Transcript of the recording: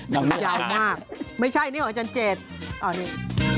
ยาวมากไม่ใช่อันนี้หรืออาจารย์เจดเอาอันนี้